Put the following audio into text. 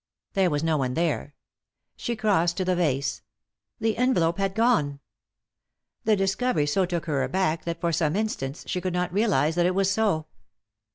There was no one there. She crossed to the vase — the envelope had gone. The discovery so took her aback that for some instants she could not realise that it was so.